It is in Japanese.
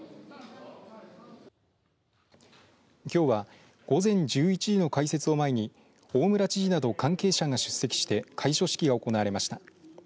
きょうは午前１１時の開設を前に大村知事など関係者が出席して開所式が行われました。